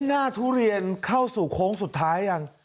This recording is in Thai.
ทุเรียนเข้าสู่โค้งสุดท้ายยัง